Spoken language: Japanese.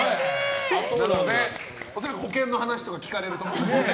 恐らく保険の話とか聞かれると思います。